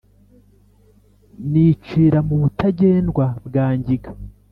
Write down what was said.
nicira mu Butagendwa bwa Ngiga